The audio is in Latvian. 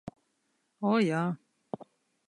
O, jā.